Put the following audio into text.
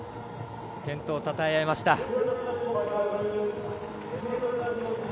健闘をたたえ合いました。